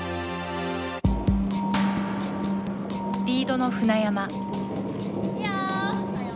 リードの船山。